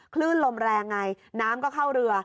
คลื่นลมแรงไงน้ำก็เข้าเรือ